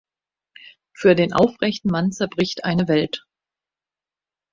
Für den aufrechten Mann zerbricht eine Welt.